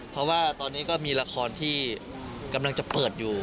เพราะว่าตอนนี้ก็มีละครที่กำลังจะเปิดอยู่